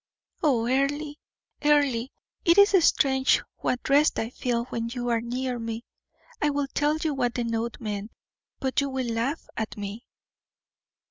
"Oh, Earle! Earle! it is strange what rest I feel when you are near me. I will tell you what the note meant, but you will laugh at me."